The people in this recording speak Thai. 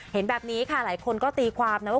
เห็นแบบนี้ค่ะหลายคนก็ตีความนะว่า